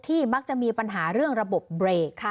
ที่บ้าจะมีปัญหาเรื่องระบบเรค